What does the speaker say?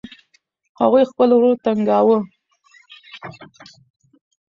هغوی خپل ورور تنګاوه.